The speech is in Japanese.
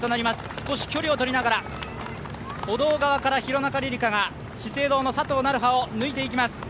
少し距離を取りながら歩道側から廣中璃梨佳が資生堂の佐藤成葉を抜いていきます。